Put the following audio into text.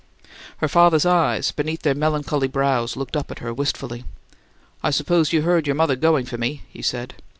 Her father's eyes, beneath their melancholy brows, looked up at her wistfully. "I suppose you heard your mother going for me," he said.